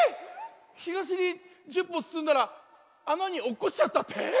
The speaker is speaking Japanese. ひがしに１０ぽすすんだらあなにおっこちちゃったって？